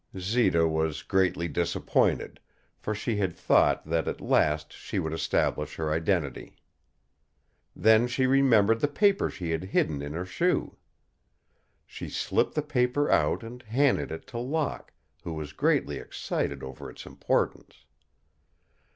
Zita was greatly disappointed, for she had thought that at last she would establish her identity. Then she remembered the paper she had hidden in her shoe. She slipped the paper out and handed it to Locke, who was greatly excited over its importance.